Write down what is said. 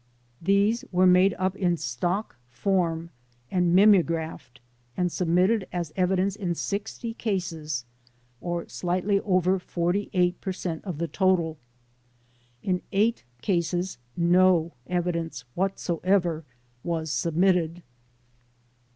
These were made up in stock form and mimeographed and submitted as evidence in 60 cases, or slightly over 48 per cent of the total. In 8 cases no evidence what soever was submitted.